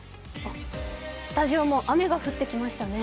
スタジオも雨が降ってきましたね。